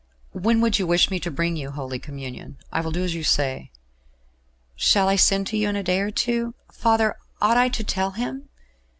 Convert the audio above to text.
"When would you wish me to bring you Holy Communion? I will do as you say." "Shall I send to you in a day or two? Father, ought I to tell him?"